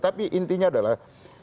tapi intinya adalah